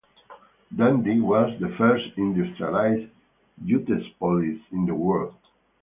Dundee was the first industrialised 'Juteopolis' in the world.